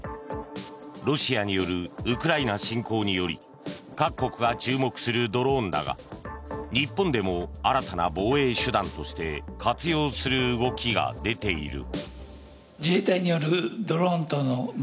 ロシアによるウクライナ侵攻により各国が注目するドローンだが日本でも新たな防衛手段として活用する動きが出ている。